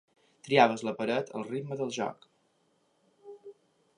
Triaves la paret, el ritme del joc.